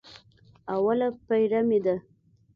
اوله پېره مې ده.